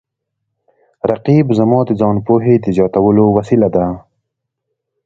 رقیب زما د ځان پوهې د زیاتولو وسیله ده